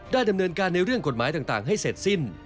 ดำเนินการในเรื่องกฎหมายต่างให้เสร็จสิ้น